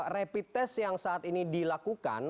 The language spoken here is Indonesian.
rapid test yang saat ini dilakukan